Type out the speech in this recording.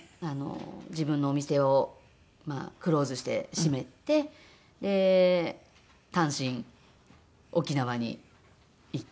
自分のお店をクローズして閉めて単身沖縄に行って。